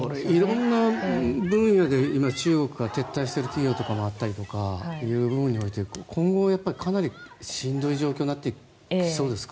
色んな分野で今、中国から撤退している企業もあったりとかいう部分で今後、かなりしんどい状況になっていきそうですか？